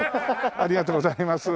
ありがとうございます。